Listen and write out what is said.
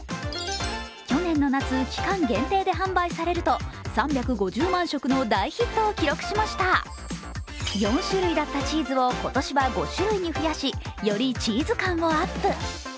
去年の夏、間限定で販売されると３５０万食の大ヒットを記録しました４種類だったチーズを今年は５種類に増やし、よりチーズ感をアップ。